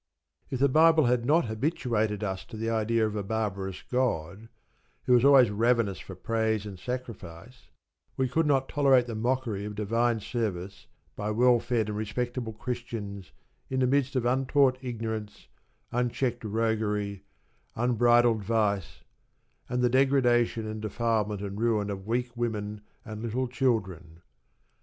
If the Bible had not habituated us to the idea of a barbarous God who was always ravenous for praise and sacrifice, we could not tolerate the mockery of "Divine Service" by well fed and respectable Christians in the midst of untaught ignorance, unchecked roguery, unbridled vice, and the degradation and defilement and ruin of weak women and little children.